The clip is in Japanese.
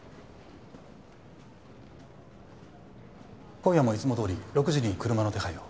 今夜もいつもどおり６時に車の手配を。